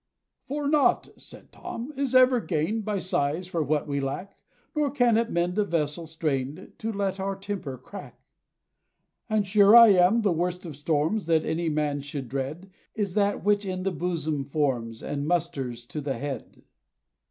"For naught," said Tom, "is ever gained By sighs for what we lack; Nor can it mend a vessel strained, To let our temper crack. "And sure I am, the worst of storms, That any man should dread, Is that, which in the bosom forms, And musters to the head."